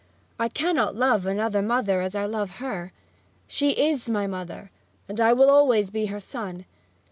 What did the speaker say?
I cannot love another mother as I love her. She is my mother, and I will always be her son!'